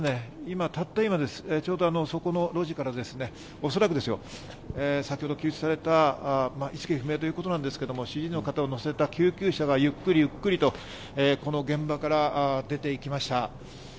今、たった今、ちょうどそこの路地からおそらくですよ、先ほど救出された意識不明ということですけれども、主治医の方を乗せた救急車がゆっくりゆっくりとこの現場から出て行きました。